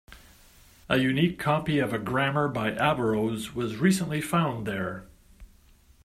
A unique copy of a grammar by Averroes was recently found there.